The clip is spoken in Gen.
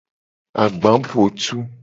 Agbapotu.